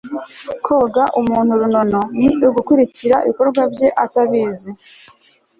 koga umuntu runono ni ugukurikirana ibikorwa bye atabizi